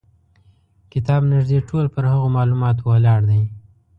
کتاب نیژدې ټول پر هغو معلوماتو ولاړ دی.